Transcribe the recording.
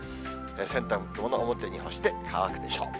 洗濯物は表に干して乾くでしょう。